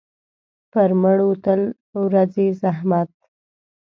پر مړو تل ورځي زحمت.